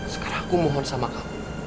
sekarang aku mohon sama kamu